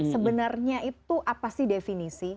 sebenarnya itu apa sih definisi